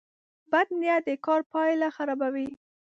بد نیت د کار پایله خرابوي.